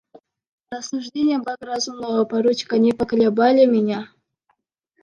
Рассуждения благоразумного поручика не поколебали меня.